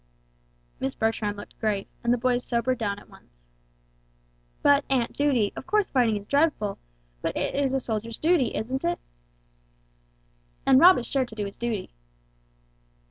Miss Bertram looked grave, and the boys sobered down at once. "But, Aunt Judy, of course fighting is dreadful, but it is a soldier's duty, isn't it?" "And Rob is sure to do his duty."